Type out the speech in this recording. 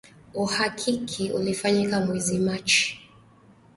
Uhakiki ulifanyika mwezi Machi